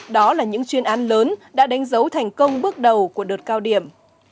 đó là những chuyên án lớn đã đánh dấu thành công bước đầu của đợt cao điểm